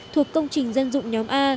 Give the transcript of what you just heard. thuộc công trình dân dụng nhóm a